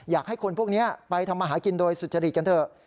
อยากให้คนพวกนี้ไปทำมาหากินโดยสุจริตกันเถอะ